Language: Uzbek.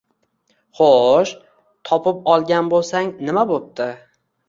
Xo`sh, topib olgan bo`lsang nima bo`pti